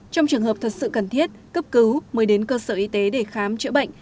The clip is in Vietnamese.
trong trường hợp thật sự cần thiết cấp cứu mới đến cơ sở y tế để khám chữa bệnh